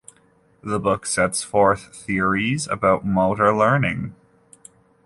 The book sets forth theories about motor learning.